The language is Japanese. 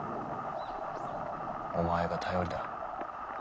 お前が頼りだ。